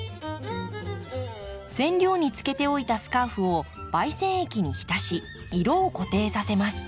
染料につけておいたスカーフを媒染液に浸し色を固定させます。